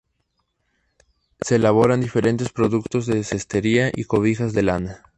Se elaboran diferentes productos de cestería y cobijas de lana.